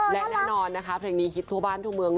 และแน่นอนนะคะเพลงนี้ฮิตทั่วบ้านทั่วเมือง